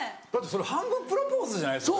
半分プロポーズじゃないですか。